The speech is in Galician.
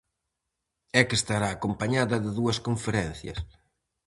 E que estará acompañada de dúas conferencias.